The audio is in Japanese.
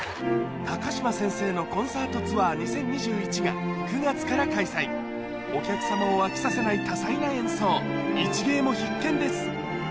高嶋先生のコンサートツアー２０２１が９月から開催お客様を飽きさせない多彩な演奏一芸も必見です